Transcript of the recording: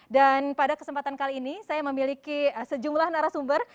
dan pada kesempatan kali ini saya memiliki sejumlah narasumber